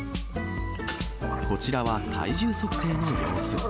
こちらは体重測定の様子。